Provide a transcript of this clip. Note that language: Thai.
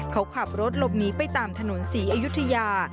เขาขับรถหลบหนีไปตามถนนศรีอยุธยา